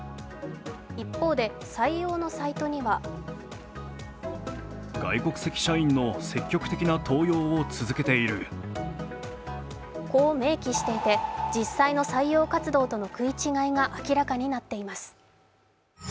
一方で、採用のサイトにはと明記していて、実際の採用活動との食い違いが明らかになっています。